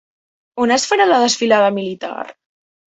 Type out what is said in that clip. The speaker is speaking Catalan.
On es farà la desfilada militar?